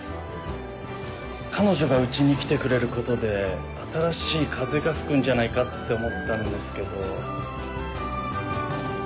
彼女がうちに来てくれることで新しい風が吹くんじゃないかって思ったんですけど。